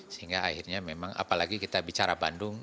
sehingga akhirnya memang apalagi kita bicara bandung